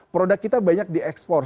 produk kita banyak diekspor